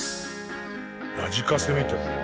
ラジカセみたい。